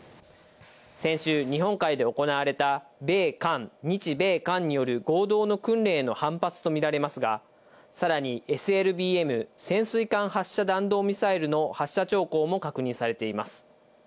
先週、日本海で行われた米韓、日米韓による合同の訓練への反発と見られますが、さらにＳＬＢＭ・潜水艦発射弾道ミサイルの発射兆候も確認されています。